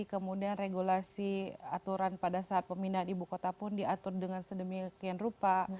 kemudian regulasi aturan pada saat pemindahan ibu kota pun diatur dengan sedemikian rupa